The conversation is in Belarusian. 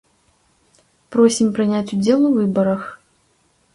Просім прыняць удзел у выбарах!